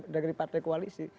dari partai koalisi